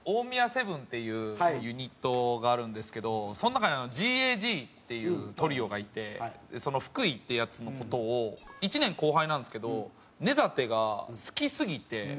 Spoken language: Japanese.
セブンっていうユニットがあるんですけどその中にＧＡＧっていうトリオがいてその福井っていうヤツの事を１年後輩なんですけど根建が好きすぎて。